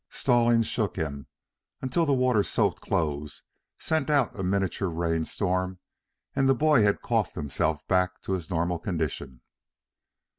Stallings shook him until the water soaked clothes sent out a miniature rain storm and the boy had coughed himself back to his normal condition.